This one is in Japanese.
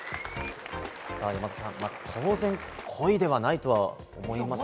山里さん、当然、故意ではないとは思いますが。